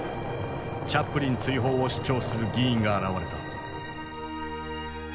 チャップリン追放を主張する議員が現れた。